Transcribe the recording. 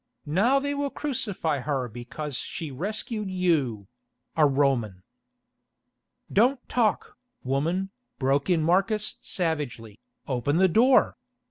Now they will crucify her because she rescued you—a Roman." "Don't talk, woman," broke in Marcus savagely, "open the door.